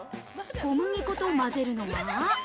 小麦粉とまぜるのは。